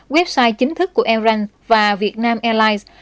website chính thức của air france và việt nam airlines